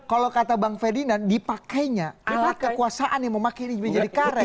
kalau kata bang ferdinand dipakainya alat kekuasaan yang memakai ini menjadi karet